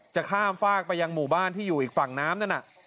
จะข้ามฝากไปยังหมู่บ้านที่อยู่อีกฝั่งน้ำนั่นน่ะ